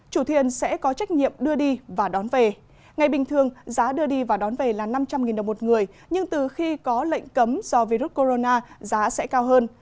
chủ thuyền sẽ có trách nhiệm đưa đi và đón về ngày bình thường giá đưa đi và đón về là năm trăm linh đồng một người nhưng từ khi có lệnh cấm do virus corona giá sẽ cao hơn